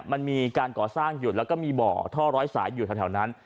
มันมีการก่อสร้างหยุดแล้วก็มีบ่อท่อร้อยสายอยู่แถวนั้น